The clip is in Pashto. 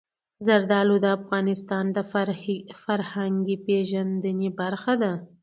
زردالو د افغانانو د فرهنګي پیژندنې برخه ده.